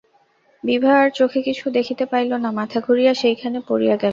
বিভা আর চোখে কিছু দেখিতে পাইল না, মাথা ঘুরিয়া সেইখানে পড়িয়া গেল।